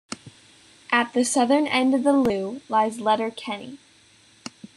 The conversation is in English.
At the southern end of the lough lies Letterkenny.